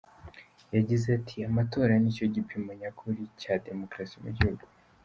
Yagize ati “ Amatora ni cyo gipimo nyakuri cya demokarasi mu gihugu.